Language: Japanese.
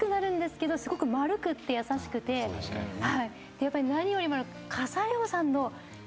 やっぱり何よりも。